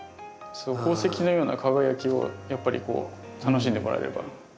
宝石のような輝きをやっぱりこう楽しんでもらえれば。